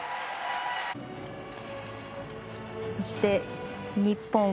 そして日本